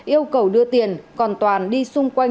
yêu cầu đưa tiền còn toàn đi xung quanh